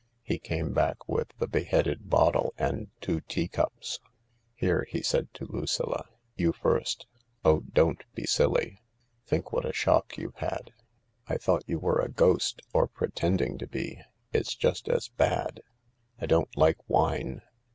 He came back with the beheaded bottle and two tea cups. " Here," he said to Lucilla, " you first. Oh, don't be silly. Think what a shock you've had." " I thought you were a ghost — or pretending to be ; it's just as bad. I don't like wine."